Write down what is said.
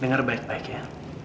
dengar baik baik ya